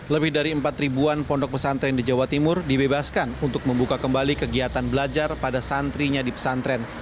lebih dari empat ribuan pondok pesantren di jawa timur dibebaskan untuk membuka kembali kegiatan belajar pada santrinya di pesantren